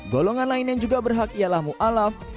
golongan lain yang juga berhak ialah mu'alaf